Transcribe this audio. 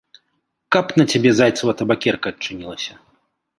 Каб на цябе зайцава табакерка адчынілася.